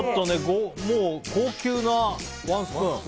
もう高級なワンスプーン。